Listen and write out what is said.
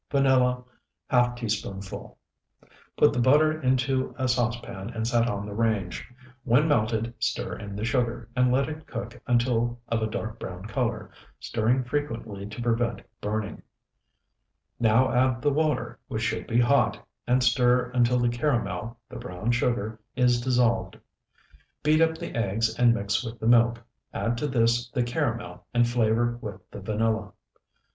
Vanilla, ½ teaspoonful. Put the butter into a saucepan and set on the range. When melted, stir in the sugar, and let cook until of a dark brown color, stirring frequently to prevent burning. Now add the water, which should be hot, and stir until the caramel (the browned sugar) is dissolved. Beat up the eggs and mix with the milk; add this to the caramel and flavor with the vanilla.